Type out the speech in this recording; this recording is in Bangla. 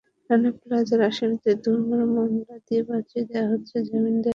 রানা প্লাজার আসামিদের দুর্বল মামলা দিয়ে বাঁচিয়ে দেওয়া হচ্ছে, জামিন দেওয়া হচ্ছে।